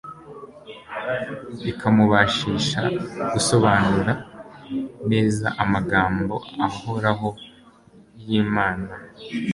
bikamubashisha gusobanura neza amagambo ahoraho y'Imana.